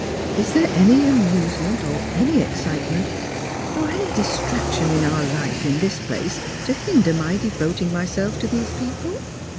" Is there any amusement, or any excitement,^ or any distraction in our lite in this place to hinder my devoting myself to these people?"